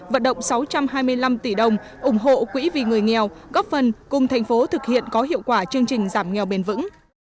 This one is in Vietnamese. vận động sáu trăm hai mươi năm tỷ đồng ủng hộ quỹ vì người nghèo góp phần cùng thành phố thực hiện có hiệu quả chương trình giảm nghèo bền vững